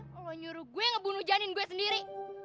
kalau nyuruh gue ngebunuh janin gue sendiri